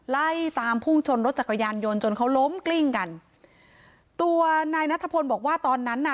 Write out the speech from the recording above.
ไล่ตามพุ่งชนรถจักรยานยนต์จนเขาล้มกลิ้งกันตัวนายนัทพลบอกว่าตอนนั้นน่ะ